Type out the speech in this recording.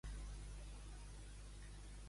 Em punxes una cançó instrumental a la bodega?